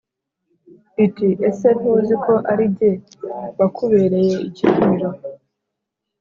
Iti "ese ntuzi ko ari jye wakubereye ikiramiro,